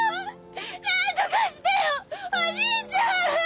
何とかしてよお兄ちゃん！